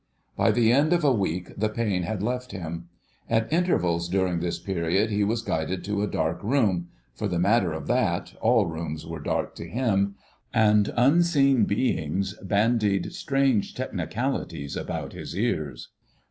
By the end of a week the pain had left him. At intervals during this period he was guided to a dark room—for the matter of that, all rooms were dark to him—and unseen beings bandied strange technicalities about his ears.